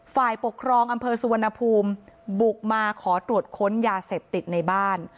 ฝ่ายปกครองอำเภอสุวรรณภูมิบุกมาขอตรวจค้นยาเสพติดในบ้าน